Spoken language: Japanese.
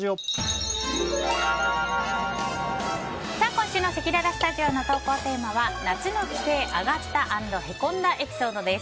今週のせきららスタジオの投稿テーマは夏の帰省アガった＆へこんだエピソードです。